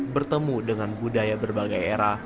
bertemu dengan budaya berbagai era